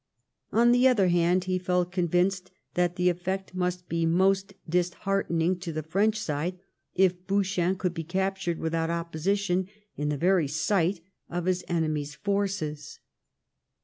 On the other hand, he felt convinced that the effect* must be most disheartening to the French side if Bouchain could be captured without opposition in the very sight of his enemy's forces.